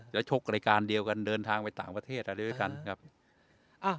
แล้วชกรายการเดียวกันเดินทางไปต่างประเทศอะไรด้วยกันครับ